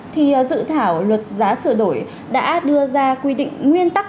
thì dự thảo luật giá sửa đổi đã đưa ra quy định nguyên tắc